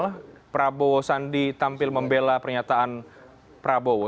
bapak bawosandi tampil membela pernyataan prabowo